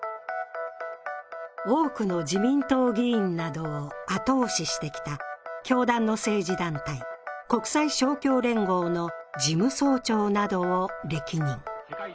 多くの自民党議員などを後押ししてきた教団の政治団体、国際勝共連合の事務総長などを歴任。